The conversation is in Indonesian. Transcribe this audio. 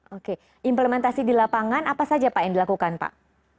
oke implementasi di lapangan apa saja pak yang dilakukan pak